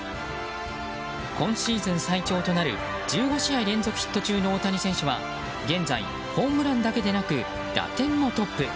今シーズン最長となる１５試合連続ヒット中の大谷選手は現在、ホームランだけでなく打点もトップ。